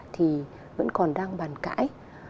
thì vẫn còn đang bàn cãi